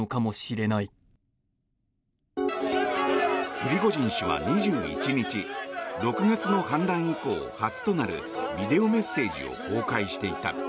プリゴジン氏は２１日６月の反乱以降、初となるビデオメッセージを公開していた。